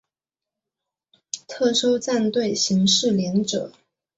特搜战队刑事连者。